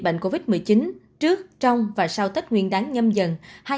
bệnh covid một mươi chín trước trong và sau tết nguyên đáng nhâm dần hai nghìn hai mươi